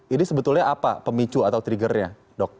ini sebetulnya apa pemicu atau trigger nya dok